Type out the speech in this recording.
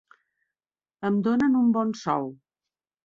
Em donen un bon sou.